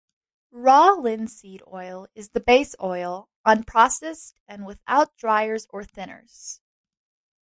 Raw linseed oil is the base oil, unprocessed and without driers or thinners.